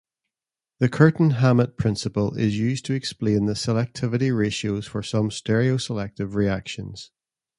The Curtin-Hammett principle is used to explain the selectivity ratios for some stereoselective reactions.